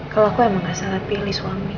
kalau aku emang gak salah pilih suami